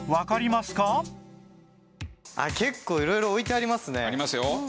結構色々置いてありますね。ありますよ。